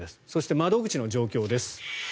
そして窓口の状況です。